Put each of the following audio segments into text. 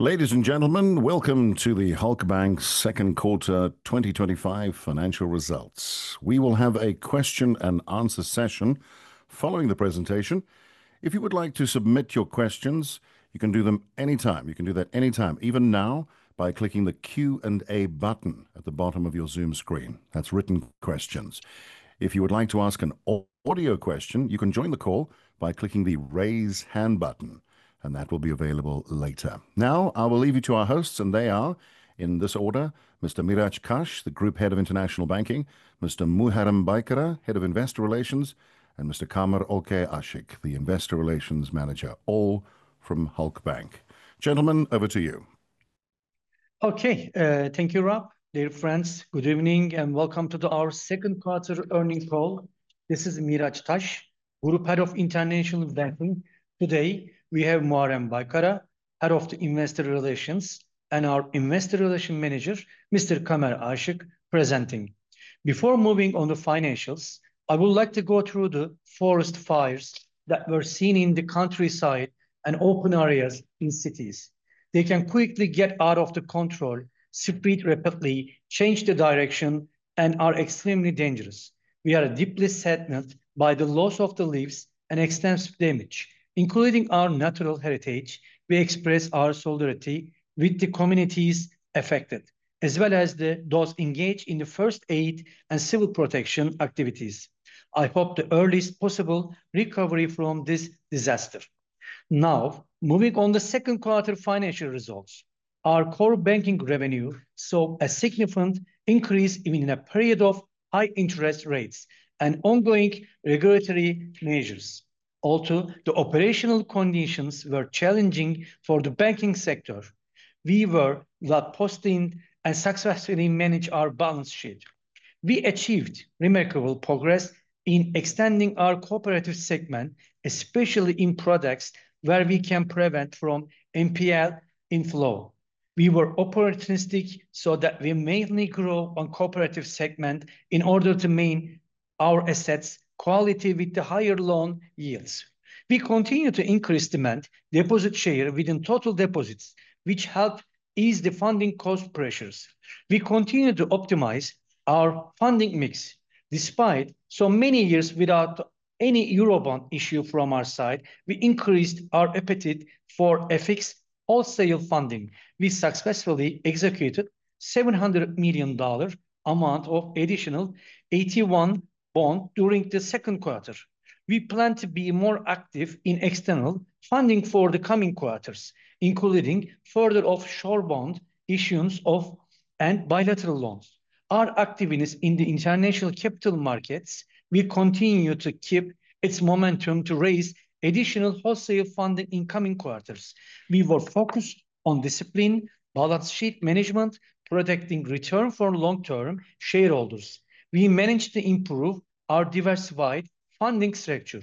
Ladies and gentlemen, welcome to the Halkbank's Second Quarter 2025 Financial Results. We will have a question-and-answer session following the presentation. If you would like to submit your questions, you can do them anytime. You can do that anytime, even now, by clicking the Q&A button at the bottom of your Zoom screen. That's written questions. If you would like to ask an audio question, you can join the call by clicking the Raise Hand button, and that will be available later. Now, I will leave you to our hosts, and they are, in this order, Mr. Miraç Taş, the Group Head of International Banking; Mr. Muharrem Baykara, Head of Investor Relations; and Mr. Kamer Olkay Aşık, the Investor Relations Manager, all from Halkbank. Gentlemen, over to you. Thank you, Rob. Dear friends, good evening, and welcome to our second quarter earnings call. This is Miraç Taş, Group Head of International Banking. Today, we have Muharrem Baykara, Head of the Investor Relations, and our Investor Relations Manager, Mr. Kamer Aşık, presenting. Before moving on the financials, I would like to go through the forest fires that were seen in the countryside and open areas in cities. They can quickly get out of the control, spread rapidly, change the direction, and are extremely dangerous. We are deeply saddened by the loss of the lives and extensive damage, including our natural heritage. We express our solidarity with the communities affected, as well as those engaged in the first aid and civil protection activities. I hope the earliest possible recovery from this disaster. Now, moving on the second quarter financial results. Our core banking revenue saw a significant increase even in a period of high interest rates and ongoing regulatory measures. Although the operational conditions were challenging for the banking sector, we were well-positioned and successfully manage our balance sheet. We achieved remarkable progress in extending our corporate segment, especially in products where we can prevent from NPL inflow. We were opportunistic so that we mainly grow on corporate segment in order to maintain our assets' quality with the higher loan yields. We continue to increase demand, deposit share within total deposits, which help ease the funding cost pressures. We continue to optimize our funding mix. Despite so many years without any Eurobond issue from our side, we increased our appetite for FX wholesale funding. We successfully executed $700 million amount of additional AT1 bond during the second quarter. We plan to be more active in external funding for the coming quarters, including further offshore bond issuance of and bilateral loans. Our activeness in the international capital markets will continue to keep its momentum to raise additional wholesale funding in coming quarters. We were focused on discipline, balance sheet management, protecting return for long-term shareholders. We managed to improve our diversified funding structure.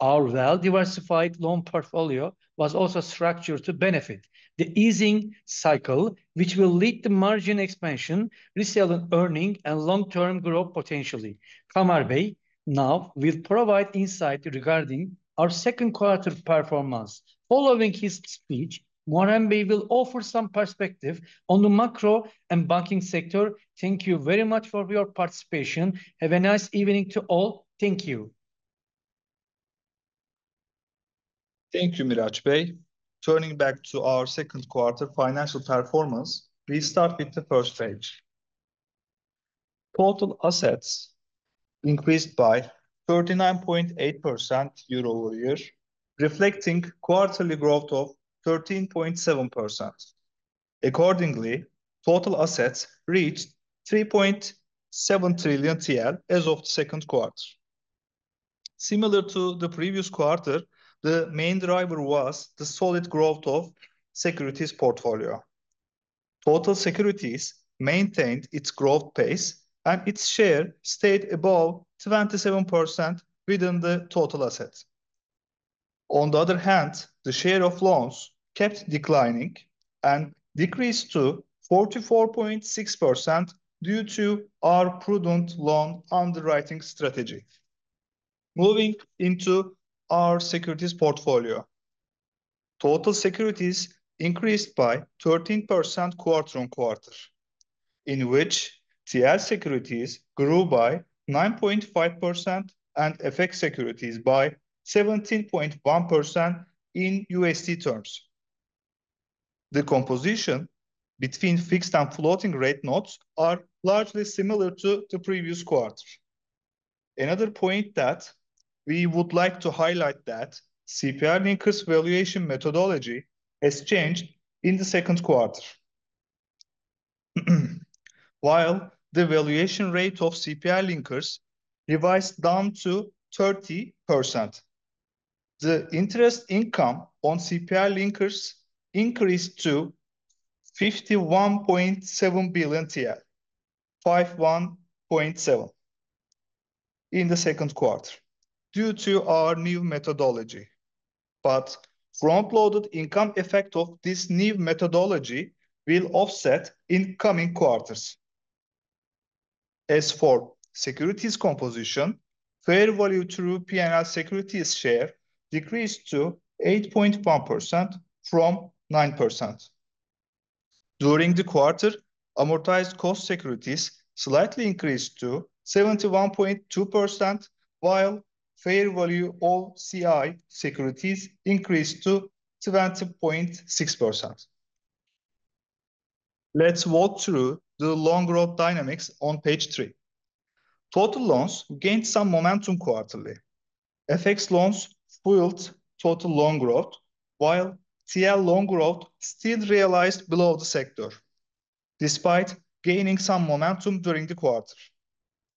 Our well-diversified loan portfolio was also structured to benefit the easing cycle, which will lead to margin expansion, resultant earning, and long-term growth potentially. Kamer Bey now will provide insight regarding our second quarter performance. Following his speech, Muharrem Bey will offer some perspective on the macro and banking sector. Thank you very much for your participation. Have a nice evening to all. Thank you. Thank you, Miraç Bey. Turning back to our second quarter financial performance, we start with the first page. Total assets increased by 39.8% year-over-year, reflecting quarterly growth of 13.7%. Accordingly, total assets reached 3.7 trillion TL as of second quarter. Similar to the previous quarter, the main driver was the solid growth of securities portfolio. Total securities maintained its growth pace, and its share stayed above 27% within the total assets. On the other hand, the share of loans kept declining and decreased to 44.6% due to our prudent loan underwriting strategy. Moving into our securities portfolio. Total securities increased by 13% quarter-on-quarter, in which TRY securities grew by 9.5% and FX securities by 17.1% in USD terms. The composition between fixed and floating rate notes are largely similar to the previous quarter. Another point that we would like to highlight that CPI linkers valuation methodology has changed in the second quarter. While the valuation rate of CPI linkers revised down to 30%, the interest income on CPI linkers increased to 51.7 billion TL in the second quarter due to our new methodology. But, front-loaded income effect of this new methodology will offset in coming quarters. As for securities composition, fair value through P&L securities share decreased to 8.1% from 9%. During the quarter, amortized cost securities slightly increased to 71.2%, while fair value OCI securities increased to 70.6%. Let's walk through the loan growth dynamics on page three. Total loans gained some momentum quarterly. FX loans fueled total loan growth, while TL loan growth still realized below the sector, despite gaining some momentum during the quarter.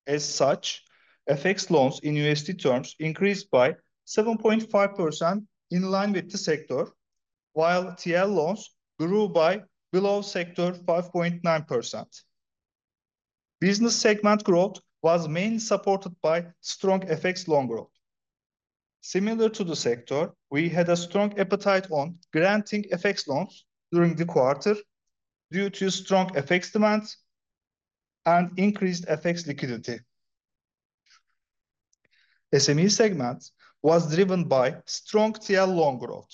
As such, FX loans in USD terms increased by 7.5% in line with the sector, while TL loans grew by below sector 5.9%. Business segment growth was mainly supported by strong FX loan growth. Similar to the sector, we had a strong appetite on granting FX loans during the quarter due to strong FX demand and increased FX liquidity. SME segment was driven by strong TL loan growth,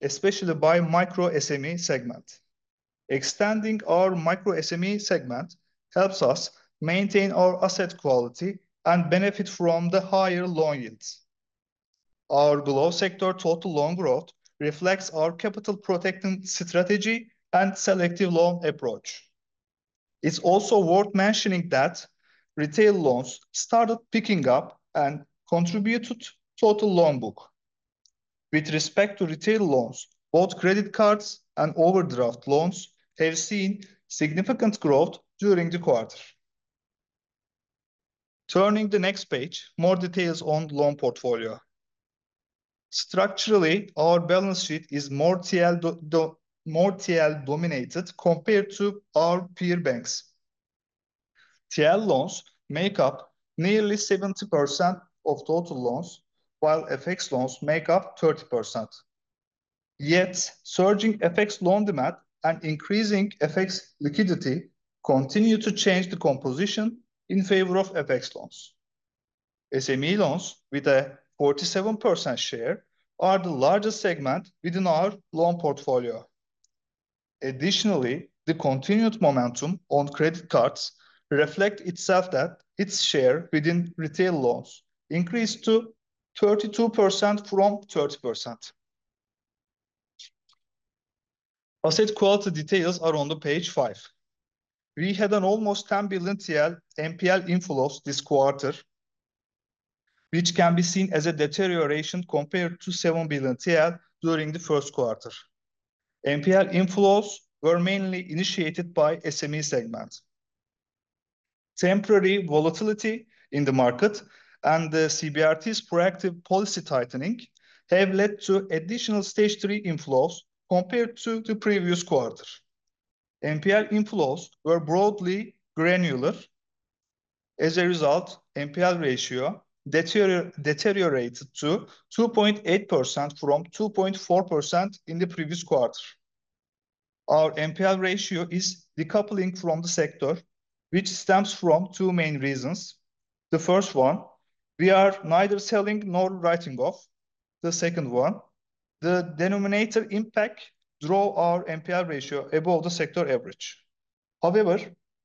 especially by micro SME segment. Extending our micro SME segment helps us maintain our asset quality and benefit from the higher loan yields. Our below sector total loan growth reflects our capital protecting strategy and selective loan approach. It's also worth mentioning that retail loans started picking up and contributed total loan book. With respect to retail loans, both credit cards and overdraft loans have seen significant growth during the quarter. Turning the next page, more details on loan portfolio. Structurally, our balance sheet is more TL dominated compared to our peer banks. TL loans make up nearly 70% of total loans, while FX loans make up 30%. Yet, surging FX loan demand and increasing FX liquidity continue to change the composition in favor of FX loans. SME loans with a 47% share are the largest segment within our loan portfolio. Additionally, the continued momentum on credit cards reflect itself that its share within retail loans increased to 32% from 30%. Asset quality details are on the page five. We had an almost 10 billion TL NPL inflows this quarter, which can be seen as a deterioration compared to 7 billion TL during the first quarter. NPL inflows were mainly initiated by SME segment. Temporary volatility in the market and the CBRT's proactive policy tightening have led to additional Stage 3 inflows compared to the previous quarter. NPL inflows were broadly granular. As a result, NPL ratio deteriorated to 2.8% from 2.4% in the previous quarter. Our NPL ratio is decoupling from the sector, which stems from two main reasons. The first one, we are neither selling nor writing off. The second one, the denominator impact draw our NPL ratio above the sector average. However,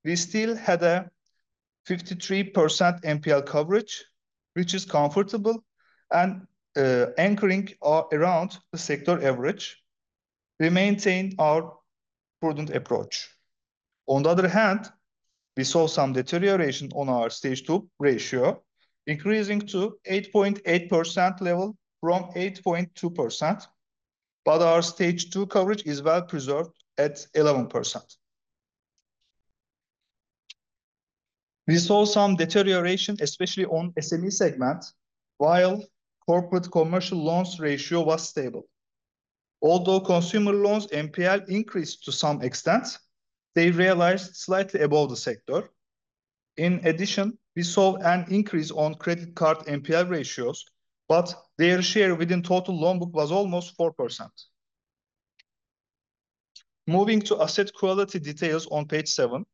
we still had a 53% NPL coverage, which is comfortable, and anchoring around the sector average. We maintain our prudent approach. On the other hand, we saw some deterioration on our Stage 2 ratio, increasing to 8.8% level from 8.2%. But, our Stage 2 coverage is well preserved at 11%. We saw some deterioration, especially on SME segment, while corporate commercial loans ratio was stable. Although consumer loans NPL increased to some extent, they realized slightly above the sector. In addition, we saw an increase on credit card NPL ratios, but their share within total loan book was almost 4%. Moving to asset quality details on page seven.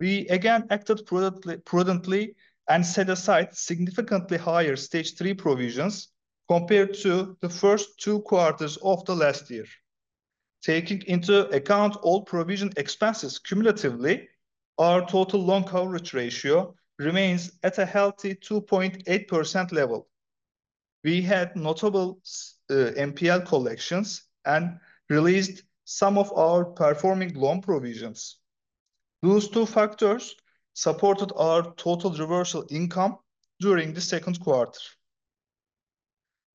We again acted prudently and set aside significantly higher Stage 3 provisions compared to the first two quarters of the last year. Taking into account all provision expenses cumulatively, our total loan coverage ratio remains at a healthy 2.8% level. We had notable NPL collections and released some of our performing loan provisions. Those two factors supported our total reversal income during the second quarter.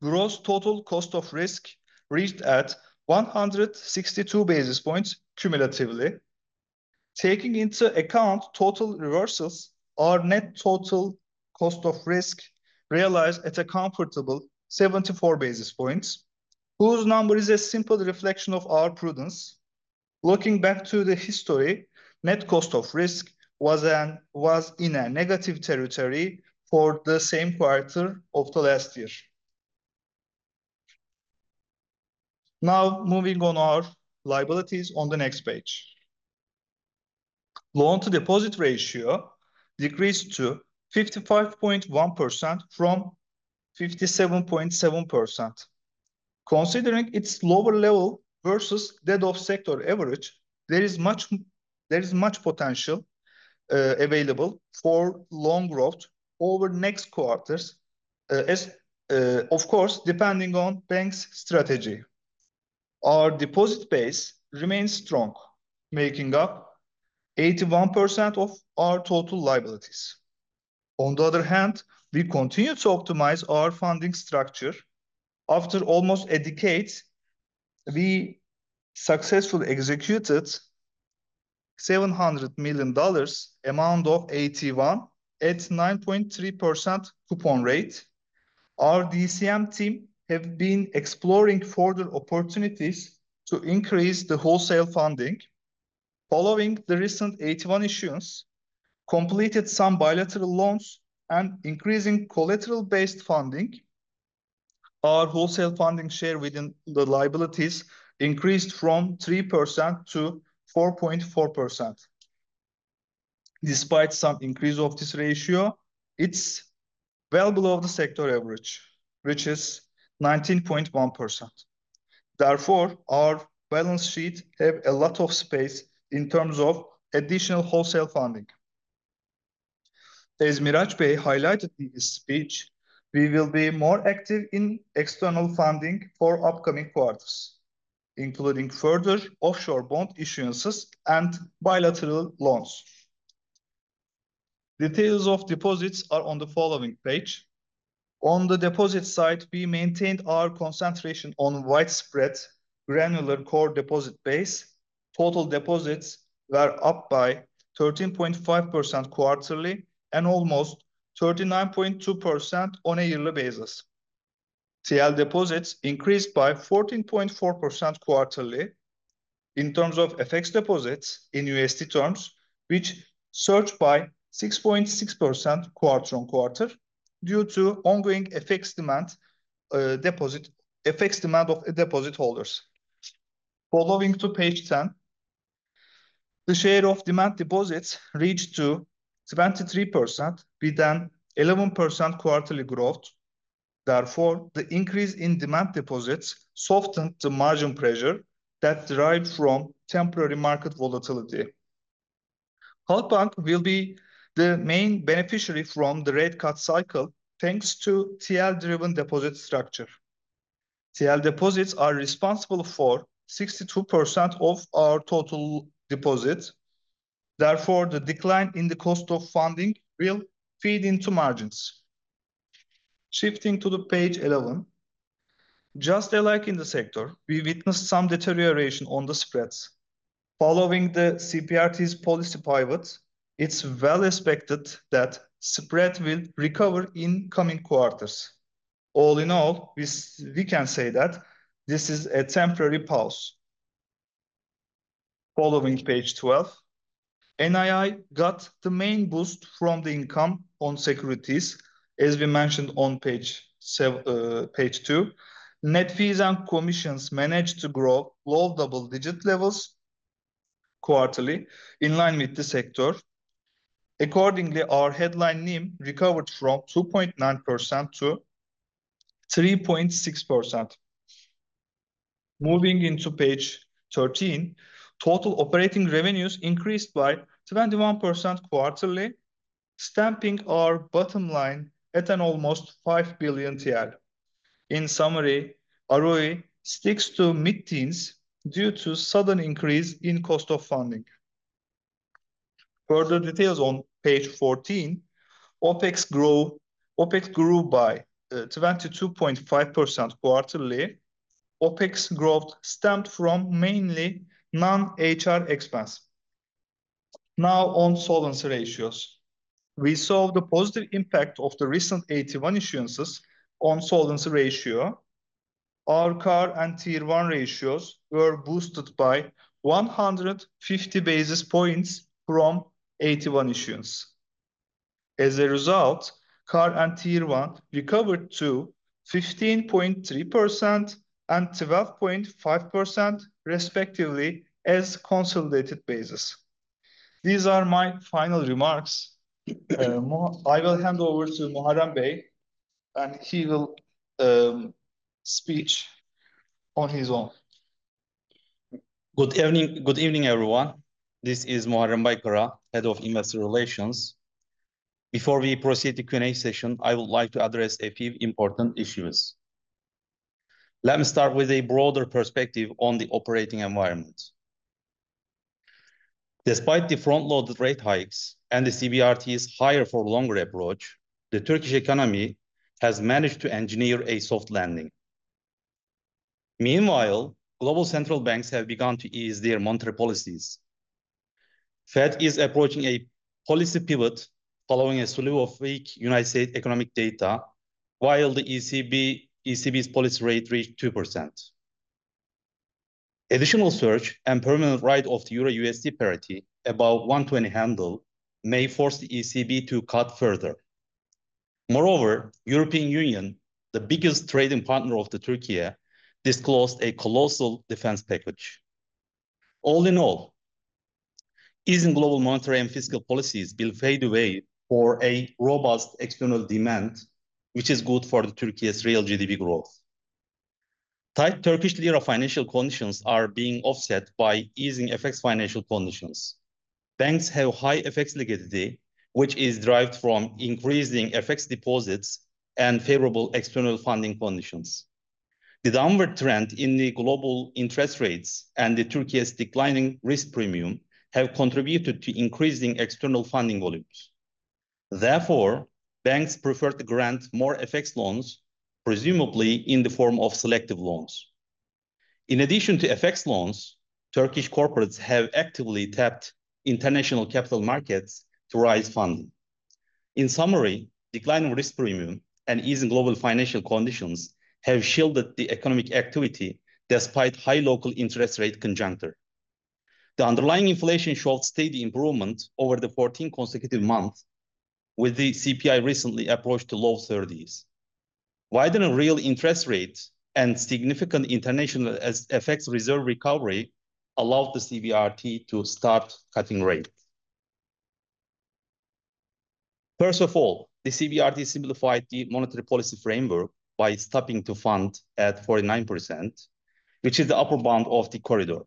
Gross total cost of risk reached at 162 basis points cumulatively. Taking into account total reversals, our net total cost of risk realized at a comfortable 74 basis points, whose number is a simple reflection of our prudence. Looking back to the history, net cost of risk was in a negative territory for the same quarter of the last year. Moving on our liabilities on the next page. Loan-to-deposit ratio decreased to 55.1% from 57.7%. Considering its lower level versus that of sector average, there is much potential available for long growth over next quarters, as, of course, depending on bank's strategy. Our deposit base remains strong, making up 81% of our total liabilities. On the other hand, we continue to optimize our funding structure. After almost a decade, we successfully executed $700 million amount of AT1 at 9.3% coupon rate. Our DCM team have been exploring further opportunities to increase the wholesale funding. Following the recent AT1 issuance, completed some bilateral loans, and increasing collateral-based funding, our wholesale funding share within the liabilities increased from 3% to 4.4%. Despite some increase of this ratio, it's well below the sector average, which is 19.1%. Therefore, our balance sheet have a lot of space in terms of additional wholesale funding. As Miraç Bey highlighted in his speech, we will be more active in external funding for upcoming quarters, including further offshore bond issuances and bilateral loans. Details of deposits are on the following page. On the deposit side, we maintained our concentration on widespread granular core deposit base. Total deposits were up by 13.5% quarterly, and almost 39.2% on a yearly basis. TL deposits increased by 14.4% quarterly, in terms of FX deposits in USD terms, which surged by 6.6% quarter-on-quarter due to ongoing FX demand of deposit holders. Following to page 10. The share of demand deposits reached to 73% with an 11% quarterly growth. Therefore, the increase in demand deposits softened the margin pressure that derived from temporary market volatility. Halkbank will be the main beneficiary from the rate cut cycle thanks to TL-driven deposit structure. TL deposits are responsible for 62% of our total deposits, therefore the decline in the cost of funding will feed into margins. Shifting to the page 11. Just alike in the sector, we witnessed some deterioration on the spreads. Following the CBRT's policy pivot, it's well expected that spread will recover in coming quarters. All in all, we can say that this is a temporary pause. Following page 12. NII got the main boost from the income on securities, as we mentioned on page two. Net fees and commissions managed to grow low double-digit levels quarterly, in line with the sector. Accordingly, our headline NIM recovered from 2.9% to 3.6%. Moving into page 13. Total operating revenues increased by 21% quarterly, stamping our bottom line at an almost 5 billion TL. In summary, ROE sticks to mid-teens due to sudden increase in cost of funding. Further details on page 14. OpEx grew by 22.5% quarterly. OpEx growth stemmed from mainly non-HR expense. Now on solvency ratios. We saw the positive impact of the recent AT1 issuances on solvency ratio. Our CAR and Tier 1 ratios were boosted by 150 basis points from AT1 issuance. As a result, CAR and Tier 1 recovered to 15.3% and 12.5% respectively as consolidated basis. These are my final remarks. I will hand over to Muharrem Bey, and he will speech on his own. Good evening, good evening everyone. This is Muharrem Baykara, Head of Investor Relations. Before we proceed the Q&A session, I would like to address a few important issues. Let me start with a broader perspective on the operating environment. Despite the front-loaded rate hikes and the CBRT's higher-for-longer approach, the Turkish economy has managed to engineer a soft landing. Meanwhile, global central banks have begun to ease their monetary policies. Fed is approaching a policy pivot following a slew of weak United States economic data, while the ECB's policy rate reached 2%. Additional search and permanent write-off the Euro-USD parity, about 120 handle, may force the ECB to cut further. Moreover, European Union, the biggest trading partner of the Türkiye, disclosed a colossal defense package. All in all, easing global monetary and fiscal policies will fade away for a robust external demand, which is good for Türkiye's real GDP growth. Tight Turkish Lira financial conditions are being offset by easing FX financial conditions. Banks have high FX liquidity, which is derived from increasing FX deposits and favorable external funding conditions. The downward trend in the global interest rates and Türkiye's declining risk premium have contributed to increasing external funding volumes. Therefore, banks prefer to grant more FX loans, presumably in the form of selective loans. In addition to FX loans, Turkish corporates have actively tapped international capital markets to raise funding. In summary, decline in risk premium and ease in global financial conditions have shielded the economic activity despite high local interest rate conjuncture. The underlying inflation showed steady improvement over the 14 consecutive months, with the CPI recently approached to low 30s. Why didn't real interest rates and significant international FX reserve recovery allow the CBRT to start cutting rates? First of all, the CBRT simplified the monetary policy framework by stopping to fund at 49%, which is the upper bound of the corridor.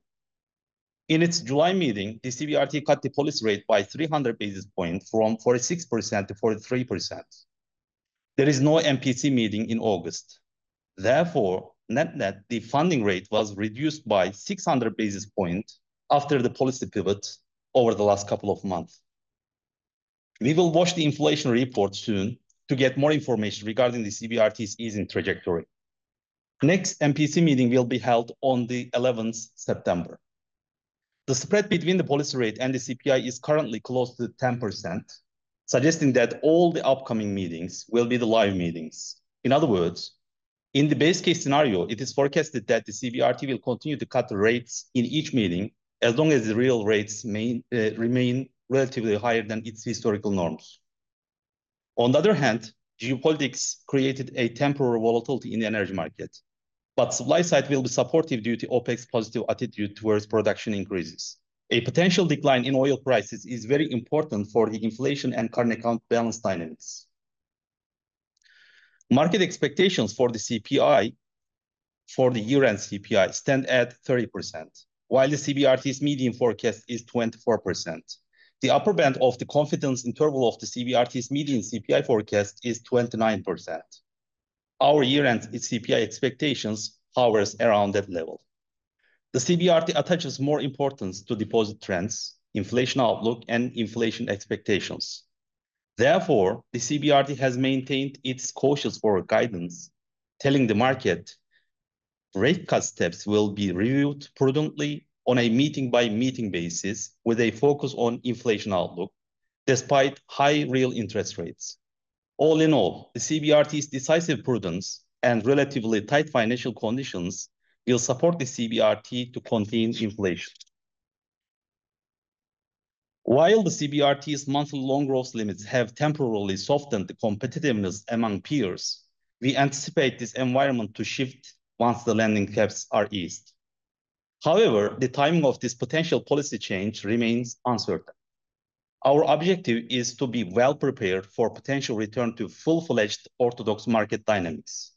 In its July meeting, the CBRT cut the policy rate by 300 basis points from 46% to 43%. There is no MPC meeting in August. Therefore, note that the funding rate was reduced by 600 basis points after the policy pivot over the last couple of months. We will watch the inflation report soon to get more information regarding the CBRT's easing trajectory. Next MPC meeting will be held on the 11th September. The spread between the policy rate and the CPI is currently close to 10%, suggesting that all the upcoming meetings will be the live meetings. In other words, in the base case scenario, it is forecasted that the CBRT will continue to cut the rates in each meeting as long as the real rates may remain relatively higher than its historical norms. On the other hand, geopolitics created a temporary volatility in the energy market, but supply side will be supportive due to OPEC's positive attitude towards production increases. A potential decline in oil prices is very important for the inflation and current account balance dynamics. Market expectations for the CPI, for the year-end CPI stand at 30%, while the CBRT's median forecast is 24%. The upper band of the confidence interval of the CBRT's median CPI forecast is 29%. Our year-end CPI expectations hovers around that level. The CBRT attaches more importance to deposit trends, inflation outlook and inflation expectations. Therefore, the CBRT has maintained its cautious forward guidance, telling the market rate cut steps will be reviewed prudently on a meeting-by-meeting basis with a focus on inflation outlook despite high real interest rates. All in all, the CBRT's decisive prudence and relatively tight financial conditions will support the CBRT to contain inflation. While the CBRT's monthly loan growth limits have temporarily softened the competitiveness among peers, we anticipate this environment to shift once the lending caps are eased. However, the timing of this potential policy change remains uncertain. Our objective is to be well prepared for potential return to full-fledged orthodox market dynamics.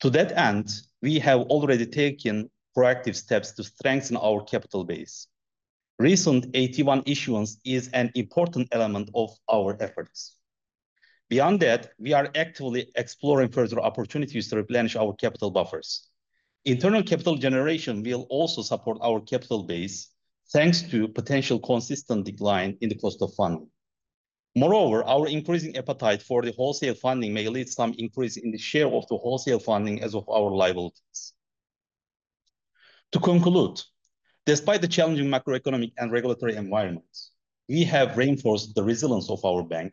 To that end, we have already taken proactive steps to strengthen our capital base. Recent AT1 issuance is an important element of our efforts. Beyond that, we are actively exploring further opportunities to replenish our capital buffers. Internal capital generation will also support our capital base, thanks to potential consistent decline in the cost of funding. Moreover, our increasing appetite for the wholesale funding may lead some increase in the share of the wholesale funding as of our liabilities. To conclude, despite the challenging macroeconomic and regulatory environments, we have reinforced the resilience of our bank.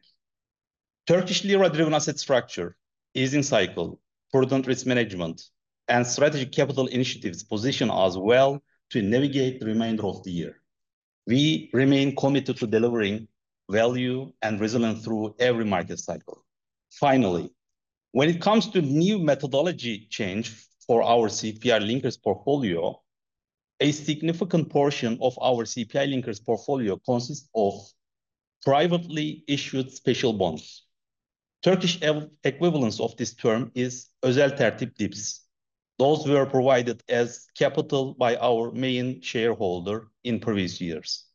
Turkish Lira-driven asset structure, easing cycle, prudent risk management, and strategic capital initiatives position us well to navigate the remainder of the year. We remain committed to delivering value and resilience through every market cycle. Finally, when it comes to new methodology change for our CPI linkers portfolio, a significant portion of our CPI linkers portfolio consists of privately issued special bonds. Turkish equivalence of this term is Özel Tertip DİBS. Those were provided as capital by our main shareholder in previous years.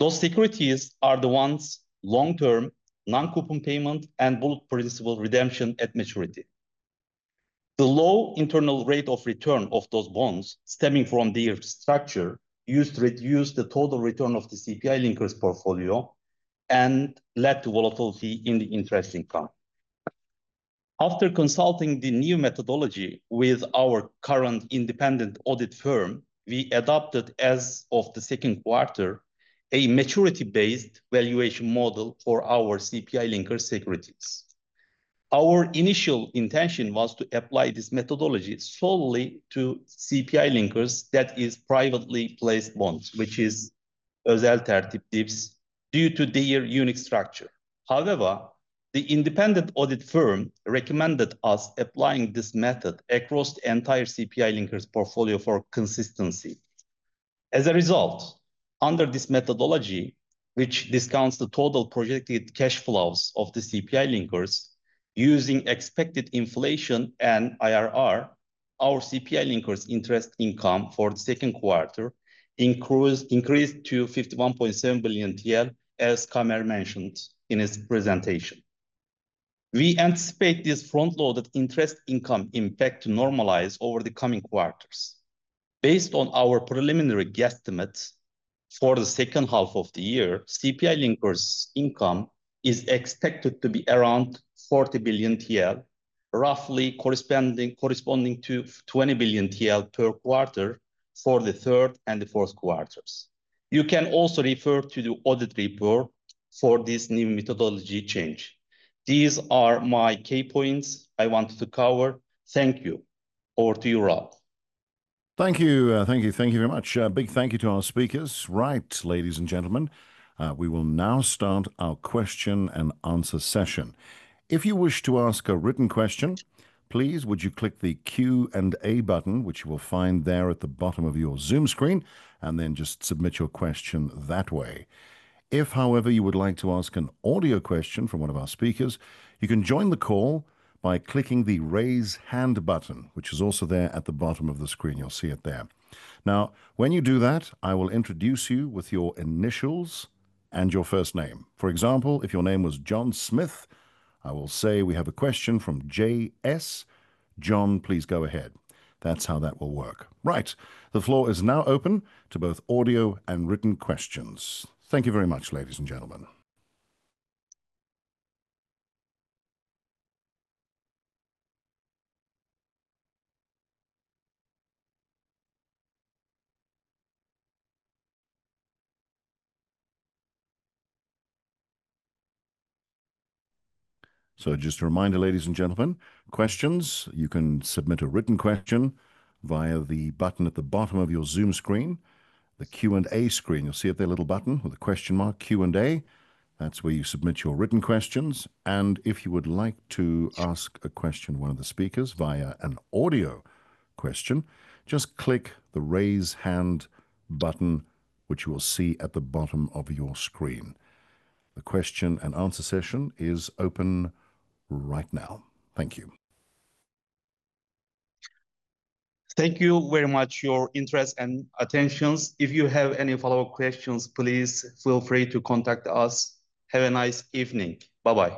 Those securities are the ones long-term, non-coupon payment, and bulk principal redemption at maturity. The low internal rate of return of those bonds stemming from their structure used to reduce the total return of the CPI linkers portfolio and led to volatility in the interest income. After consulting the new methodology with our current independent audit firm, we adopted as of the second quarter a maturity-based valuation model for our CPI linker securities. Our initial intention was to apply this methodology solely to CPI linkers that is privately placed bonds, which is Özel Tertip DİBS due to their unique structure. However, the independent audit firm recommended us applying this method across the entire CPI linkers portfolio for consistency. As a result, under this methodology, which discounts the total projected cash flows of the CPI linkers using expected inflation and IRR, our CPI linkers interest income for the second quarter increased to 51.7 billion TL, as Kamer mentioned in his presentation. We anticipate this front-loaded interest income impact to normalize over the coming quarters. Based on our preliminary guesstimates for the second half of the year, CPI linkers income is expected to be around 40 billion TL, roughly corresponding to 20 billion TL per quarter for the third and the fourth quarters. You can also refer to the audit report for this new methodology change. These are my key points I wanted to cover. Thank you. Over to you, Rob. Thank you. Thank you. Thank you very much. A big thank you to our speakers. Right, ladies and gentlemen, we will now start our question-and-answer session. If you wish to ask a written question, please would you click the Q&A button, which you will find there at the bottom of your Zoom screen, and then just submit your question that way. If, however, you would like to ask an audio question from one of our speakers, you can join the call by clicking the Raise Hand button, which is also there at the bottom of the screen. You'll see it there. Now, when you do that, I will introduce you with your initials and your first name. For example, if your name was John Smith, I will say, "We have a question from J.S. John, please go ahead." That's how that will work. Right. The floor is now open to both audio and written questions. Thank you very much, ladies and gentlemen. Just a reminder, ladies and gentlemen, questions, you can submit a written question via the button at the bottom of your Zoom screen, the Q&A screen. You'll see up there a little button with a question mark, Q&A. That's where you submit your written questions. If you would like to ask a question to one of the speakers via an audio question, just click the Raise Hand button, which you will see at the bottom of your screen. The question-and-answer session is open right now. Thank you. Thank you very much your interest and attentions. If you have any follow-up questions, please feel free to contact us. Have a nice evening. Bye-bye.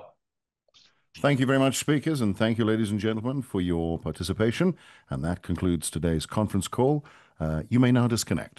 Thank you very much, speakers, and thank you ladies and gentlemen for your participation. That concludes today's conference call. You may now disconnect.